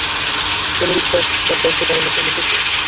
Benedict Drask তার দায়িত্ব পালনের জন্য প্রস্তুত!